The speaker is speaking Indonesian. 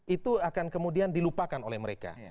itu akan kemudian dilupakan oleh mereka